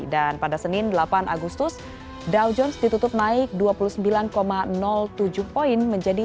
dan pada senin delapan agustus dow jones ditutup naik dua puluh sembilan tujuh poin menjadi tiga puluh dua